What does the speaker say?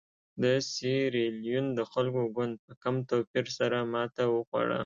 د سیریلیون د خلکو ګوند په کم توپیر سره ماته وخوړه.